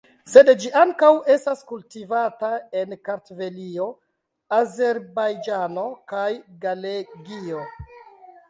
Sed ĝi ankaŭ estas kultivata en Kartvelio, Azerbajĝano kaj Galegio.